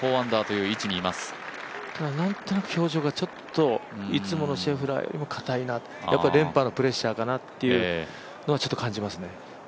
なんとなく表情がちょっといつものシェフラーよりも硬いなやっぱ、連覇のプレッシャーかなというのは感じますね。